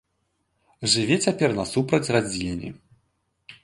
Жыве цяпер насупраць радзільні.